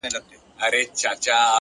مثبت ذهن روښانه راتلونکی ویني.